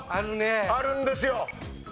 あるんですよ。